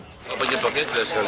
yang ada di sebelah kiri saya ini